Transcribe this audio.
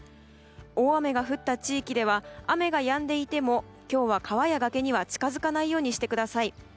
大雨が降った地域では雨がやんでいても今日は川や崖には近づかないようにしてください。